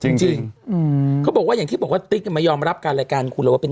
จริงจริงอืมเขาบอกว่าอย่างที่บอกว่าติ๊กเนี่ยมายอมรับการรายการคุณเลยว่าเป็น